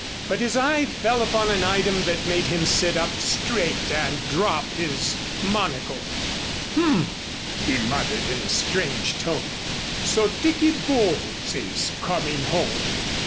But his eye fell upon an item that made him sit up straight and drop his monocle. "H m!" he muttered in a strange tone. "So Dicky Bowles is coming home!"